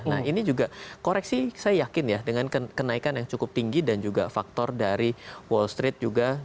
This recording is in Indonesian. nah ini juga koreksi saya yakin ya dengan kenaikan yang cukup tinggi dan juga faktor dari wall street juga